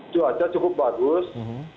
cuaca cukup bagus